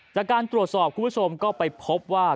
จากการตรวจสอบคุณผู้ชมก็ไปพบว่า